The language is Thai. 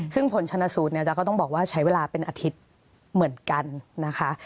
ซึ่งผลชนะสูตรเนี่ยจะต้องบอกว่าใช้เวลาเป็นอาทิตย์เหมือนกันนะคะ